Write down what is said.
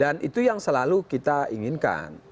dan itu yang selalu kita inginkan